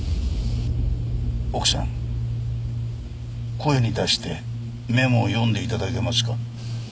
奥さん声に出してメモを読んで頂けますか？